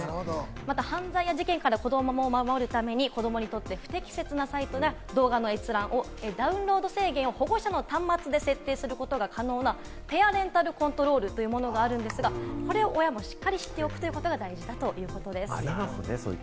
また犯罪や事件から子供を守るために子供にとって不適切なサイトや動画の閲覧やダウンロード制限を保護者の端末で設定することが可能なペアレンタルコントロールというものがあるということなので、親が知っておくことが大事だということです。